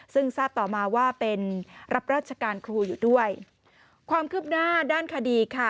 ซึ่งทราบต่อมาว่าเป็นรับราชการครูอยู่ด้วยความคืบหน้าด้านคดีค่ะ